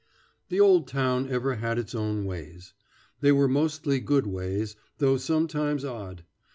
The old town ever had its own ways. They were mostly good ways, though sometimes odd.